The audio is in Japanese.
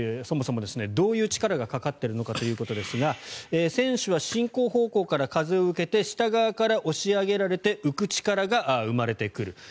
そもそも、どういう力がかかっているのかということですが選手は進行方向から風を受けて下側から押し上げられて浮く力が生まれてくる。